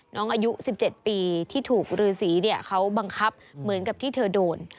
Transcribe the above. น้องอายุ๑๗ปีที่ถูกฤษีเขาบังคับเหมือนกับที่เธอโดน